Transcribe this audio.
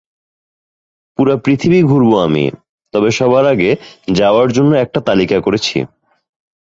পুরো পৃথিবী ঘুরব আমি, তবে সবার আগে যাওয়ার জন্য একটা তালিকা করেছি।